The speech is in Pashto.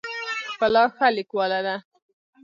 ښکلا ښه لیکواله ده.